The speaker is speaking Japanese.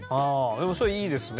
でもそれいいですね。